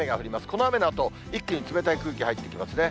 この雨のあと、一気に冷たい空気入ってきますね。